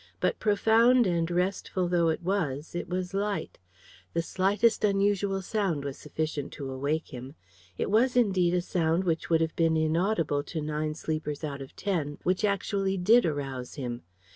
But, profound and restful though it was, it was light. The slightest unusual sound was sufficient to awake him. It was indeed a sound which would have been inaudible to nine sleepers out of ten which actually did arouse him.